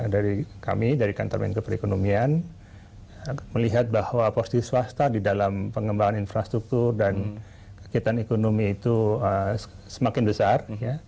dari kami dari kantor menko perekonomian melihat bahwa porsi swasta di dalam pengembangan infrastruktur dan kegiatan ekonomi itu semakin besar